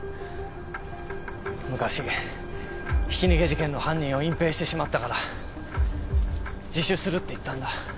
昔ひき逃げ事件の犯人を隠蔽してしまったから自首するって言ったんだ。